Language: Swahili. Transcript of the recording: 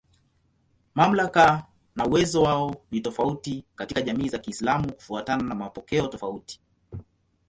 Mamlaka na uwezo wao ni tofauti katika jamii za Kiislamu kufuatana na mapokeo tofauti.